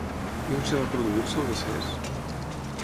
I a on es va produir el seu decés?